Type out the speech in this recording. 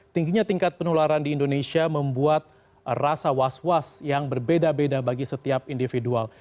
tingginya tingkat penularan di indonesia membuat rasa was was yang berbeda beda bagi setiap individual